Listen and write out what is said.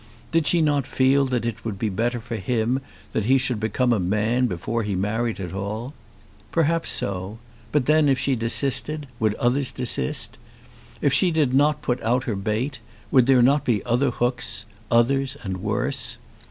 Did she not feel that it would be better for him that he should become a man before he married at all? Perhaps so; but then if she desisted would others desist? If she did not put out her bait would there not be other hooks, others and worse?